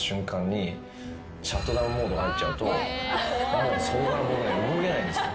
もうそこから僕ね動けないんですよ。